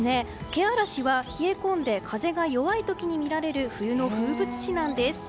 けあらしは冷え込んで風が弱い時に見られる冬の風物詩なんです。